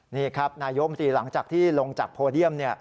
นี่ครับนายมตรีหลังจากที่ลงจากโพเดียม